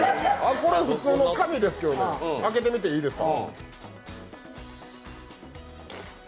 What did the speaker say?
これ普通の紙ですけどね、開けてみていいですか？